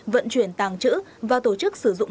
vận chuyển tàng trữ và tổ chức sử dụng